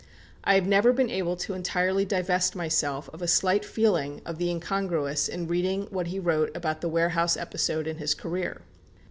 I have never been able to entirely divest myself of a slight feeling of the incongruous in reading what he wrote about the warehouse episode in his career.